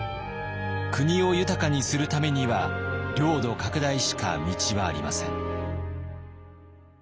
国を豊かにするためには領土拡大しか道はありません。